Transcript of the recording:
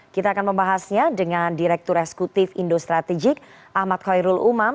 kita akan membahasnya dengan direktur eksekutif indo strategik ahmad khairul umam